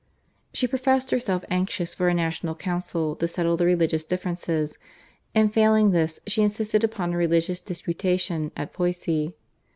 She professed herself anxious for a national council to settle the religious differences, and failing this she insisted upon a religious disputation at Poissy.